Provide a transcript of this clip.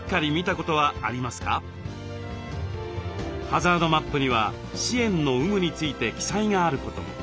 ハザードマップには支援の有無について記載があることも。